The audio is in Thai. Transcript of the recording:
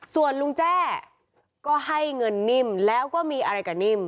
ส่วนลุงแจ้ก็ให้เงินนิ่มแล้วก็มีอะไรกับนิ่ม